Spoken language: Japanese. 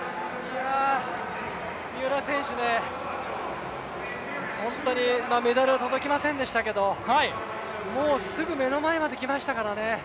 三浦選手ね、本当にメダル、届きませんでしたけれどももうすぐ目の前まで来ましたからね。